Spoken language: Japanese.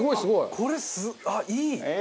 これいい！